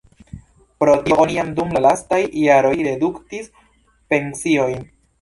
Pro tio oni jam dum la lastaj jaroj reduktis pensiojn.